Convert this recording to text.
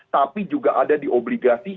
tapi juga ada di obligasi